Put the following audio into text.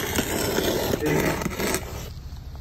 S tayet.